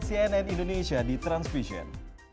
dan cnn indonesia di transvision